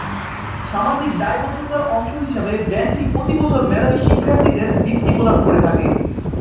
সামাজিক দায়বদ্ধতার অংশ হিসেবে ব্যাংকটি প্রতি বছর মেধাবী শিক্ষার্থীদের বৃত্তি প্রদান করে থাকে।